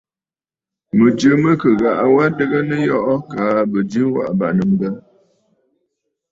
Mɨ̀jɨ mɨ kɨ ghaʼa wa adɨgə nɨyɔʼɔ kaa bɨjɨ waʼà bàŋnə̀ mbə.